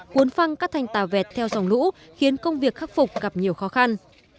cuốn phăng các thành tàu vẹt theo dòng lũ khiến công việc khắc phục gặp nhiều khó khăn